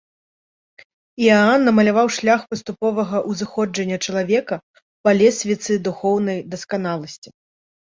Іаан намаляваў шлях паступовага ўзыходжання чалавека па лесвіцы духоўнай дасканаласці.